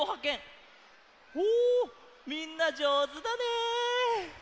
みんなじょうずだね！